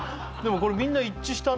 これみんな一致したね